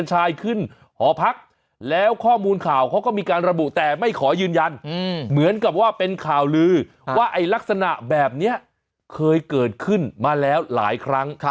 ขึ้นหอพักแล้วข้อมูลข่าวเขาก็มีการระบุแต่ไม่ขอยืนยันเหมือนกับว่าเป็นข่าวลือว่าไอ้ลักษณะแบบนี้เคยเกิดขึ้นมาแล้วหลายครั้ง